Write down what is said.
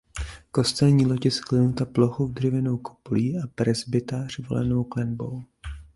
Kostelní loď je sklenuta plochou dřevěnou kopulí a presbytář valenou klenbou.